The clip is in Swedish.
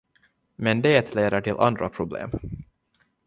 Men det leder till andra problem.